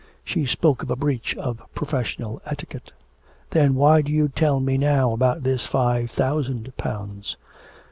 She spoke of a breach of professional etiquette.' 'Then why do you tell me now about this 5000 pounds?'